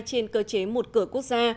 trên cơ chế một cửa quốc gia